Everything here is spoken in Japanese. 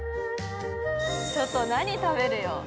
ちょっと、何食べるよ。